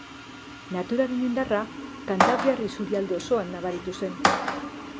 Naturaren indarra kantabriar isurialde osoan nabaritu zen.